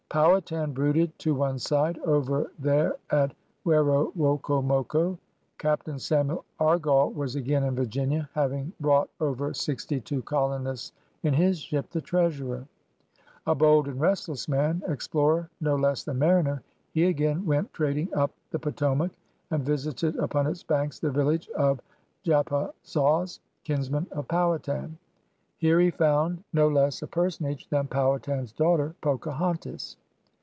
Pow hatan brooded to one side, over there at Werowoco moco. Captain Samuel Argall was again in Virginia, having brought over sixty two colonists in his ship, the Treasurer. A bold and restless man, explorer no less than mariner, he again went trading up the Potomac, and visited upon its banks the village of Japazaws, kinsman of Powhatan. Here he found Sm THOMAS DALE 85 no less a personage than Powhatan's daughter Pocahontas.